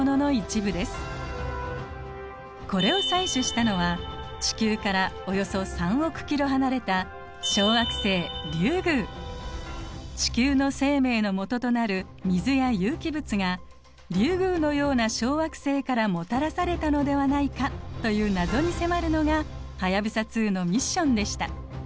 これを採取したのは地球からおよそ３億キロ離れた小惑星地球の生命のもととなる水や有機物がリュウグウのような小惑星からもたらされたのではないかという謎に迫るのが「はやぶさ２」のミッションでした。